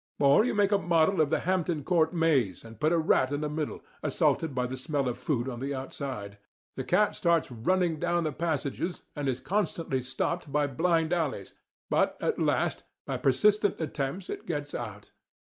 Or you make a model of the Hampton Court maze, and put a rat in the middle, assaulted by the smell of food on the outside. The rat starts running down the passages, and is constantly stopped by blind alleys, but at last, by persistent attempts, it gets out.